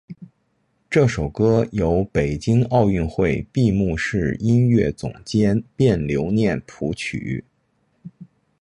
这首歌由北京奥运会闭幕式音乐总监卞留念谱曲。